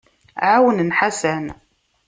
Ɛawnen Ḥasan.